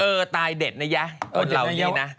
เออตายเด็ดนะยะเรานี้นะ